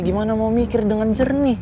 gimana mau mikir dengan jernih